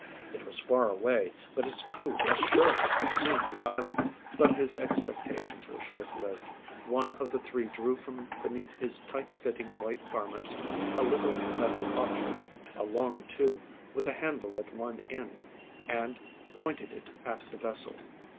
It was far away, but its crew must surely have seen the island. But his expectations were short lived. One of the three drew from beneath his tight fitting, white garments a little, metal object, a long tube, with a handle at one end, and pointed it at the vessel.